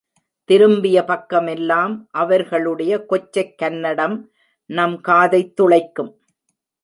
திரும்பிய பக்கமெல்லாம் அவர்களுடைய கொச்சைக் கன்னடம் நம் காதைத் துளைக்கும்.